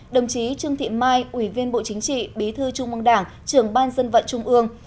đồng chí trương thị mai ủy viên bộ chính trị bí thư trung mong đảng trưởng ban dân vận trung ương